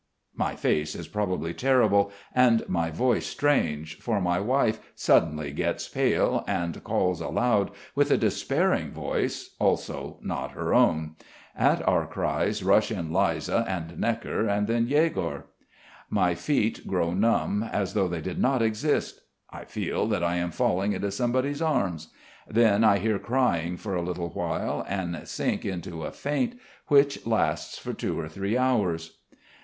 My face is probably terrible, and my voice strange, for my wife suddenly gets pale, and calls aloud, with a despairing voice, also not her own. At our cries rush in Liza and Gnekker, then Yegor. My feet grow numb, as though they did not exist. I feel that I am falling into somebody's arms. Then I hear crying for a little while and sink into a faint which lasts for two or three hours.